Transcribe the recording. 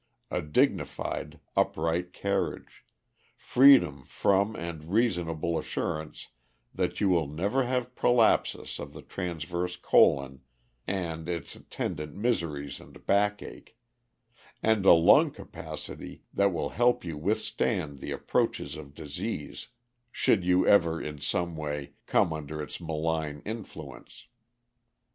a dignified, upright carriage; freedom from and reasonable assurance that you will never have prolapsus of the transverse colon and its attendant miseries and backache; and a lung capacity that will help you withstand the approaches of disease should you ever, in some other way, come under its malign influence.